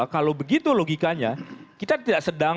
kalau begitu logikanya kita tidak sedang